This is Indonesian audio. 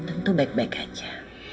tentu baik baik aja